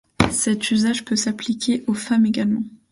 Cet usage peut s'appliquer aux femmes également.